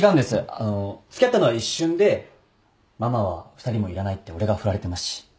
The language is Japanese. あの付き合ったのは一瞬で「ママは２人もいらない」って俺が振られてますし。